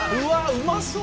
うまそう！